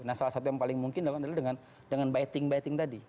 nah salah satu yang paling mungkin adalah dengan dengan baiting baiting tadi